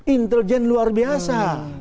intelijen luar biasa